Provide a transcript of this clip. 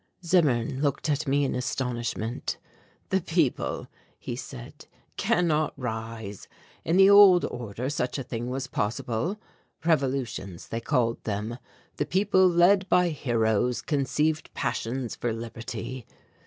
Zimmern looked at me in astonishment. "The people," he said, "cannot rise. In the old order such a thing was possible revolutions they called them the people led by heroes conceived passions for liberty.